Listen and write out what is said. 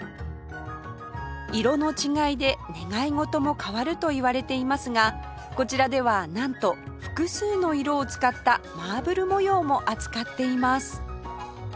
色の違いで願い事も変わるといわれていますがこちらではなんと複数の色を使ったマーブル模様も扱っています